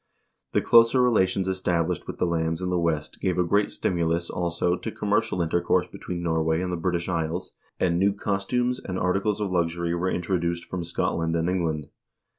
The closer relations established with the lands in the West gave a great stimulus, also, to commercial intercourse between Norway and the British Isles, and new costumes and articles of luxury were intro duced from Scotland and England.